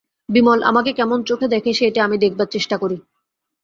বিমল আমাকে কেমন চোখে দেখে সেইটে আমি দেখবার চেষ্টা করি।